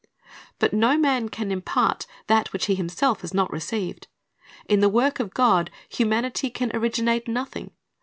But no man can impart that which he himself has not received. In the work of God, humanity can originate nothing.